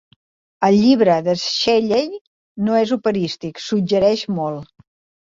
El llibre de Shelley no és operístic, suggereix molt.